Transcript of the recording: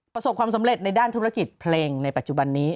ประสบความสำเร็จในด้านธุรกิจเพลงในปัจจุบันนี้